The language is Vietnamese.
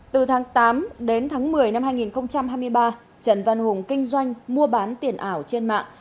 từ tháng tám đến tháng một mươi năm hai nghìn hai mươi ba trần văn hùng kinh doanh mua bán tiền ảo trên mạng